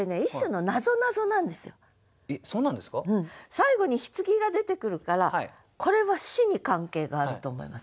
最後に「柩」が出てくるからこれは「死」に関係があると思いません？